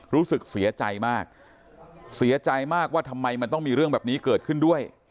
รู้สึกเสียใจมากเสียใจมากว่าทำไมมันต้องมีเรื่องแบบนี้เกิดขึ้นด้วย